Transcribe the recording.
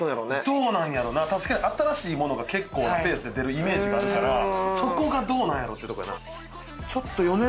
どうなんやろうな確かに新しいものが結構なペースで出るイメージがあるからそこがどうなんやろうってとこやな。